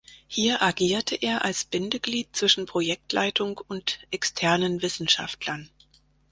Hier agierte er als Bindeglied zwischen Projektleitung und externen Wissenschaftlern.